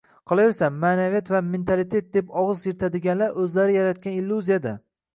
Qolaversa, maʼnaviyat va mentalitet deb ogʻiz yirtadiganlar oʻzlari yaratgan illyuziyada